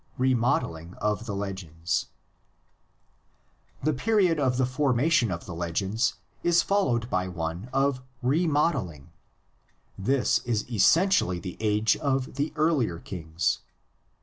RE MODELING OF THE LEGENDS. The period of the formation of the legends is fol lowed by one of re modeling. This is essentially the age of the earlier kings.